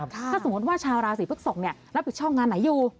ถ้าสมมติว่าชาวราศีพฤกษกรับผิดชอบงานไหนอยู่